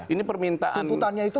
ini permintaan kuputannya itu